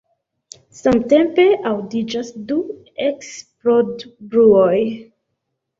Samtempe aŭdiĝas du eksplodbruoj.